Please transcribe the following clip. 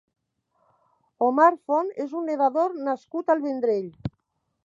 Omar Font és un nedador nascut al Vendrell.